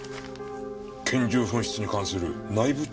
「拳銃紛失に関する内部調査報告」。